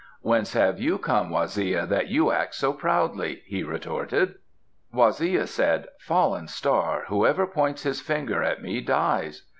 "Whence have you come, Waziya, that you act so proudly?" he retorted. Waziya said, "Fallen Star, whoever points his finger at me dies."